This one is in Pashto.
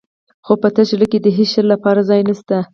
خو په تش زړه کې د هېڅ شي لپاره ځای نه شته.